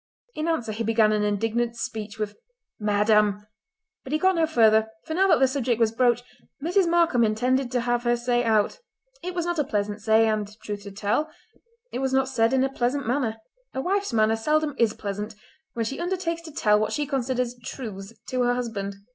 In answer he began an indignant speech with: "Madam!" but he got no further, for now that the subject was broached, Mrs. Markam intended to have her say out. It was not a pleasant say, and, truth to tell, it was not said in a pleasant manner. A wife's manner seldom is pleasant when she undertakes to tell what she considers "truths" to her husband.